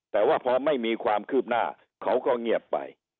แต่ว่าพอไม่มีความคืบหน้าเขาก็เงียบไป